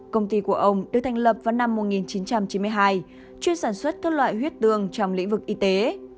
công ty của ông được thành lập vào năm một nghìn chín trăm chín mươi hai chuyên sản xuất các loại huyết tương trong lĩnh vực y tế